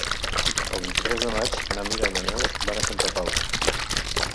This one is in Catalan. El vint-i-tres de maig na Mira i na Neus van a Santa Pau.